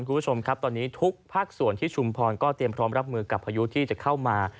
คุณผู้ชมครับตอนนี้ทุกภาคส่วนที่ชุมพรก็เตรียมพร้อมรับมือกับพายุที่จะเข้ามา